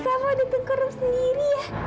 kamu ada tengkur sendiri ya